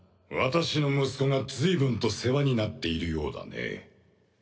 私の息子がずいぶんと世話になっているようだね。